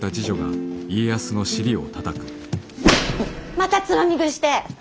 またつまみ食いして！